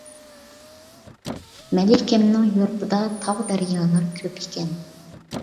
مەلىكەمنىڭ يۇرتىدا، تاغ دەريالار كۆپ ئىكەن.